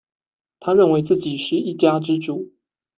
他認為自己是一家之主